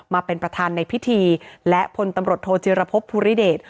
มาเป็นประธานในพิธีและพลตำรวจโทจิรพบภูริเดช